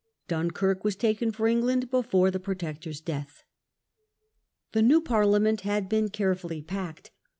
Dunkirk was taken for England before the Protector's death. The new Parliament had been carefully packed.